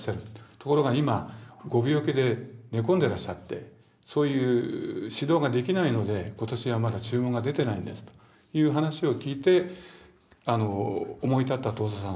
ところが今ご病気で寝込んでらっしゃってそういう指導ができないので今年はまだ注文が出てないんですという話を聞いて思い立った東蔵さん